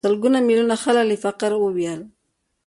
سلګونه میلیونه خلک له فقر ووتل.